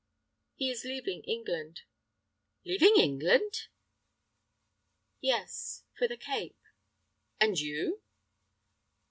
"He is leaving England." "Leaving England?" "Yes, for the Cape." "And you?"